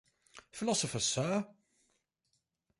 Philosopher, Sir?